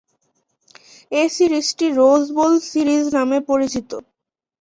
এ সিরিজটি Rose Bowl series নামে পরিচিত।